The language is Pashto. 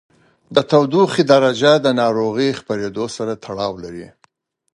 د تودوخې درجې د ناروغۍ خپرېدو سره تړاو لري.